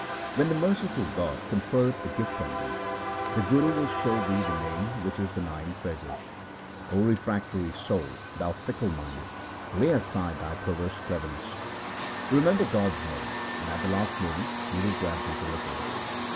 When the merciful God conferreth a gift on thee, the Guru will show thee the Name which is the nine treasures. O refractory soul, thou fickle minded, lay aside thy perverse cleverness. 300 THE SIKH RELIGION Remember God's name, and at the last moment He will grant thee deliverance.